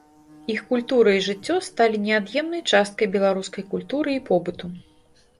Іх культура і жыццё сталі неад'емнай часткай беларускай культуры і побыту.